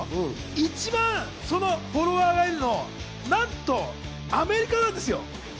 一番フォロワーがいるのがアメリカなんですよ。